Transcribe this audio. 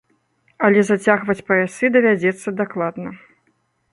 Але зацягваць паясы давядзецца дакладна.